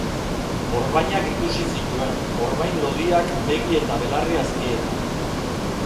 Orbainak ikusi zituen, orbain lodiak begi eta belarri azpietan.